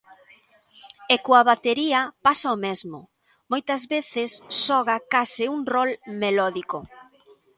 E coa batería pasa o mesmo, moitas veces xoga case un rol melódico.